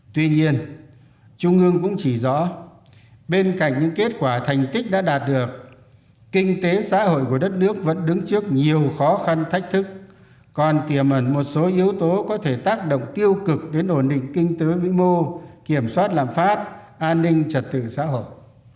tuy nhiên trung ương cũng chỉ rõ bên cạnh những kết quả thành tích đã đạt được kinh tế xã hội của đất nước vẫn đứng trước nhiều khó khăn thách thức còn tiềm ẩn một số yếu tố có thể tác động tiêu cực đến ổn định kinh tứ vĩ mô kiểm soát lạm phát an ninh trật tự xã hội